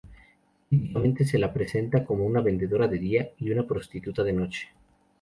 Típicamente se la representa como una vendedora de día y una prostituta de noche.